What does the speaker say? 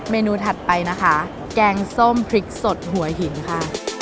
นูถัดไปนะคะแกงส้มพริกสดหัวหินค่ะ